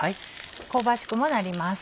香ばしくもなります。